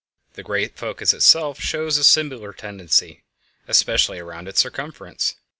The great focus itself shows a similar tendency, especially around its circumference.